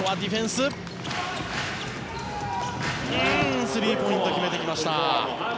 スリーポイント決めてきました。